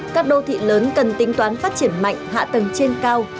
các đô thị lớn cần tính toán phát triển mạnh hạ tầng trên cao